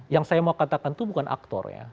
yang saya mau katakan itu bukan aktor ya